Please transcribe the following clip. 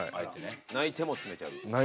泣いても詰めちゃうみたいな。